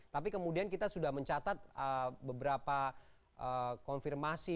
tapi kemudian kita sudah mencatat beberapa konfirmasi